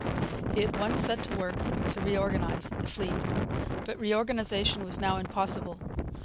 He at once set to work to reorganize the fleet. But reorganization was now impossible.